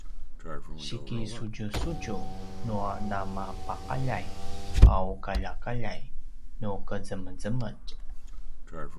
sikisudjusudju nua namapaqaljay a uqaljaqaljay nu qezemezemetj